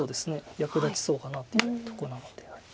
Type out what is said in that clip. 役立ちそうかなというとこなので。